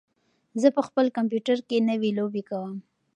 زه په خپل کمپیوټر کې نوې لوبې کوم.